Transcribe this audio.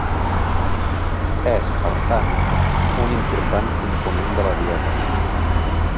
És, per tant, un important component de la dieta.